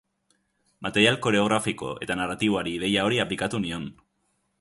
Material koreografiko eta narratiboari ideia hori aplikatu nion.